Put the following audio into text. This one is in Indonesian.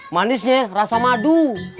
manisnya rasa madu